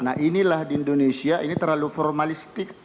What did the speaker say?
nah inilah di indonesia ini terlalu formalistik